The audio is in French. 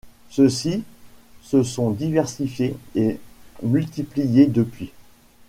Ceux-ci se sont diversifiés et multipliés depuis.